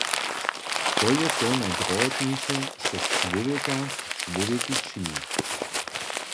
To je to najdrohotniše, štož čłowjeka k čłowjekej čini.